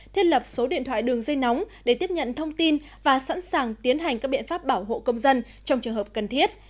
thiết lập số điện thoại đường dây nóng để tiếp nhận thông tin và sẵn sàng tiến hành các biện pháp bảo hộ công dân trong trường hợp cần thiết